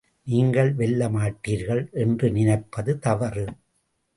நீங்கள் வெல்ல மாட்டீர்கள் என்று நினைப்பது தவறு.